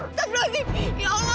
astaghfirullahaladzim ya allah